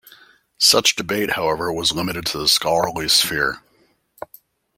Such debate, however, was limited to the scholarly sphere.